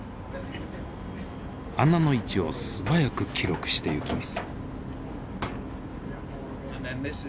穴の位置を素早く記録していきます。